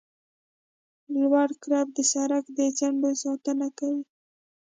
لوړ کرب د سرک د څنډو ساتنه کوي